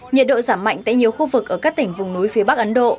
nhiệt độ giảm mạnh tại nhiều khu vực ở các tỉnh vùng núi phía bắc ấn độ